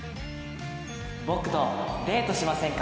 僕とデートしませんか？